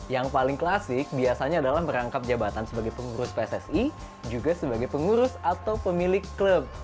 yang paling klasik biasanya adalah merangkap jabatan sebagai pengurus pssi juga sebagai pengurus atau pemilik klub